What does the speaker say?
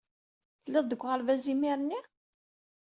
Telliḍ deg uɣerbaz imir-nni?